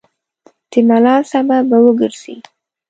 د ملال سبب به وګرځي.